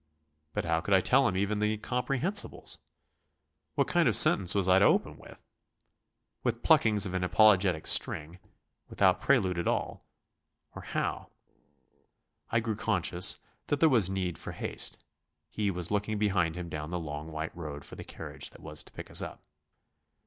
But how could I tell him even the comprehensibles? What kind of sentence was I to open with? With pluckings of an apologetic string, without prelude at all or how? I grew conscious that there was need for haste; he was looking behind him down the long white road for the carriage that was to pick us up.